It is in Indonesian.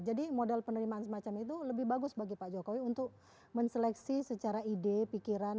jadi model penerimaan semacam itu lebih bagus bagi pak jokowi untuk menseleksi secara ide pikiran dan kedekatan juga di sana